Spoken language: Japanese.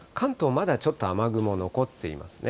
まだちょっと雨雲残っていますね。